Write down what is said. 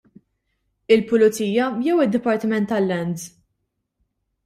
Il-Pulizija jew id-Dipartiment tal-Lands?